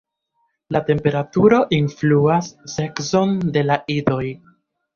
La temperaturo influas sekson de la idoj.